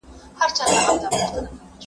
د تاریخ فلسفه د ټولني بدلونونه مطالعه کوي.